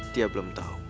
dia belum tau